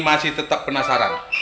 masih tetep penasaran